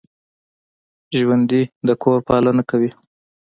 ژوندي د کور پالنه کوي